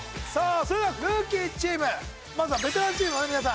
それではルーキーチームまずはベテランチームの皆さん